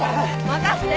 任せて！